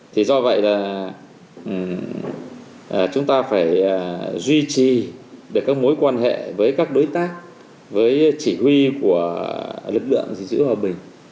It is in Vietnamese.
thì do vậy là chúng ta phải duy trì được các mối quan hệ với các đối tác với chỉ huy của lực lượng gìn giữ hòa bình